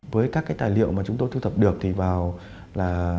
với các cái tài liệu mà chúng tôi thu thập được thì vào là